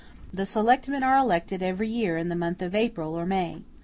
] The selectmen are elected every year in the month of April or of May.